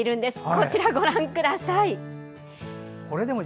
こちら、ご覧ください。